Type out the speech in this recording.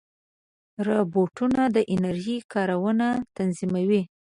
روبوټونه د انرژۍ کارونه تنظیموي.